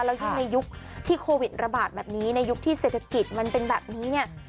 แล้วยิ่งในยุคที่โควิดระบาดแบบนี้ในยุคที่เศรษฐกิจมันเป็นแบบนี้เนี่ย